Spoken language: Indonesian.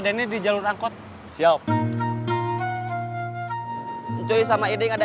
tunggu tunggu tunggu tunggu